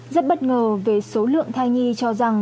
rất bất ngờ về số lượng thai nhi cho rằng